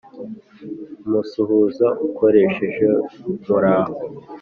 umusuhuza ukoresheje ― muraho”